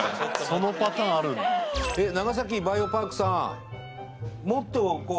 そのパターンあるんだえっ長崎バイオパークさん